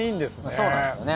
そうなんですよね。